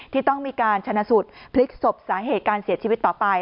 ที่ต้องมีการชนะสูตรพลิกศพสาเหตุการเสียชีวิตต่อไป